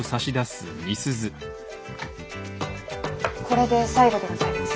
これで最後でございます。